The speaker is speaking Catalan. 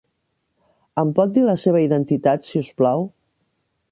Em pot dir la seva identitat, si us plau?